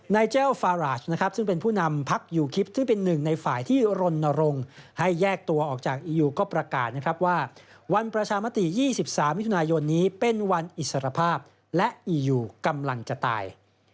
เจ้าฟาราชนะครับซึ่งเป็นผู้นำพักยูคิปซึ่งเป็นหนึ่งในฝ่ายที่รณรงค์ให้แยกตัวออกจากอียูก็ประกาศนะครับว่าวันประชามติ๒๓มิถุนายนนี้เป็นวันอิสรภาพและอียูกำลังจะตาย